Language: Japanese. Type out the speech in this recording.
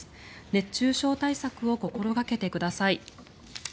熱中症対策を心掛けてください。